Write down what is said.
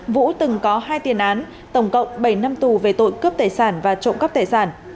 vũ từng có hai tiền án tổng cộng bảy năm tù về tội cướp tài sản và trộm cắp tài sản